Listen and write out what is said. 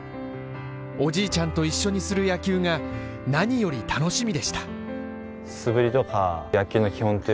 おじいちゃんと一緒にする野球が何より楽しみでした。